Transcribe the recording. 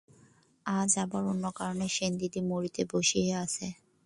আজ আবার অন্য কারণে সেনদিদি মরিতে বসিয়াছে।